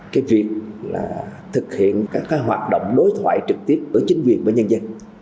cái việc là thực hiện các hoạt động đối thoại trực tiếp với chính quyền và nhân dân